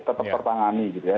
tetap tertangani gitu ya